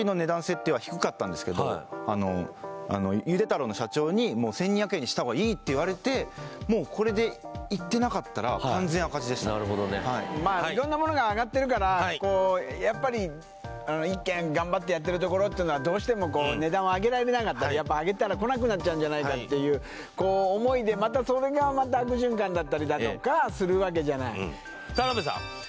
はいで僕はゆで太郎の社長に「もう１２００円にした方がいい」って言われてもうこれでいってなかったら完全赤字でしたまあ色んなものが上がってるからこうやっぱり１軒頑張ってやってるところっていうのはどうしてもこう値段を上げられなかった上げたら来なくなっちゃうんじゃないかっていう思いでまたそれがまた悪循環だったりだとかするわけじゃない田辺さん